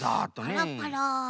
パラパラ。